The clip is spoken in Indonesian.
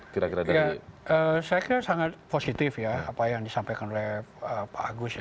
saya kira sangat positif ya apa yang disampaikan oleh pak agus ya